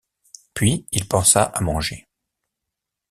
Puis il pensa à manger.